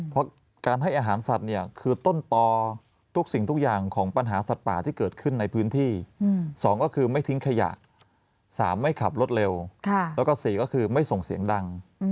เพราะการให้อาหารสัตว์เนี่ยคือต้นต่อทุกสิ่งทุกอย่างของปัญหาสัตว์ป่าที่เกิดขึ้นในพื้นที่๒ก็คือไม่ทิ้งขยะ๓ไม่ขับรถเร็วแล้วก็๔ก็คือไม่ส่งเสียงดัง